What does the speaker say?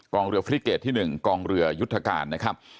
กองเรือฟรีเกจที่๑กองเรือยุทธการนะครับ